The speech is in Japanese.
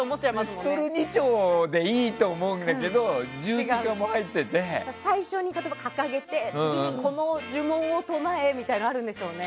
ピストル２丁でいいと思うんだけど最初に掲げて次にこの呪文を唱えみたいなのがあるんでしょうね。